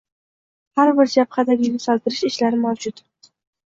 Har bir jabhadagi yuksaltirish ishlari mavjud